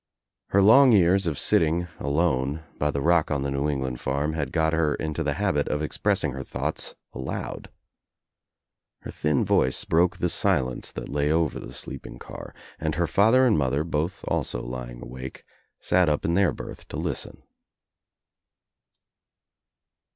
[ Her long years of sitting alone by the rock on the New England farm had got her Into the habit of ex pressing her thoughts aloud. Her thin voice broke the silence that lay over the sleeping car and her father and mother, both also lying awake, sat up in ' their berth to listen.